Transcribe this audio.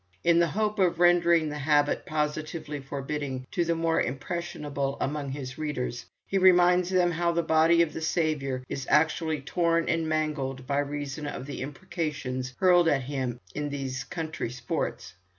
In the hope of rendering the habit positively forbidding to the more impressionable among his readers, he reminds them how the body of the Saviour is actually torn and mangled by reason of the imprecations hurled at him in these country sports.